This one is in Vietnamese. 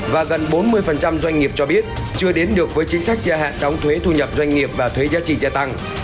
và gần bốn mươi doanh nghiệp cho biết chưa đến được với chính sách gia hạn đóng thuế thu nhập doanh nghiệp và thuế giá trị gia tăng